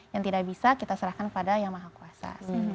yang tidak bisa kita serahkan pada yang maha kuasa